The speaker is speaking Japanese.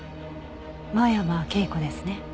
間山圭子ですね？